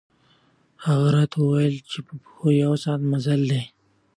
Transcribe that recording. هغه راته ووېل چې په پښو یو ساعت مزل دی.